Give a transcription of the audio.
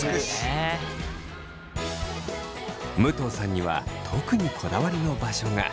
武藤さんには特にこだわりの場所が。